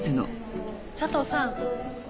佐藤さん